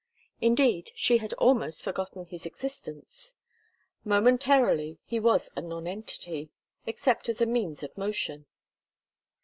Indeed, she had almost forgotten his existence. Momentarily, he was a nonentity, except as a means of motion.